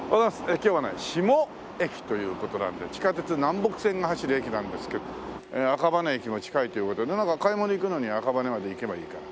今日はね志茂駅という事なんで地下鉄南北線が走る駅なんですけど赤羽駅も近いという事でなんか買い物行くのに赤羽まで行けばいいから。